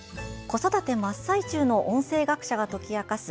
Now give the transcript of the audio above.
子育て真っ最中の音声学者が解き明かす